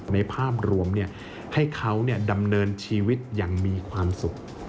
ในภาพรวมให้เขาดำเนินชีวิตอย่างมีความสุข